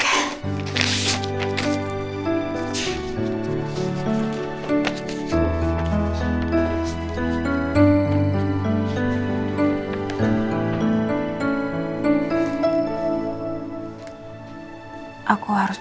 semoga ada berita baik